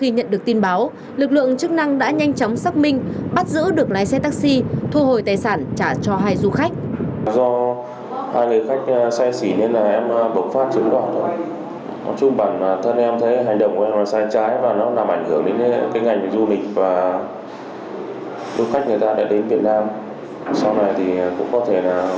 nhận được tin báo lực lượng chức năng đã nhanh chóng xác minh bắt giữ được lái xe taxi thu hồi tài sản trả cho hai du khách